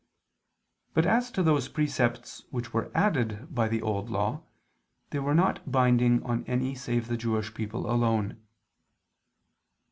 But as to those precepts which were added by the Old Law, they were not binding on any save the Jewish people alone.